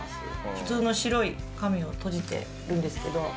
普通の白い紙をとじてるんですけど。